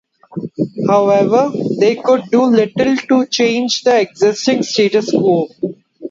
However, they could do little to change the existing status quo.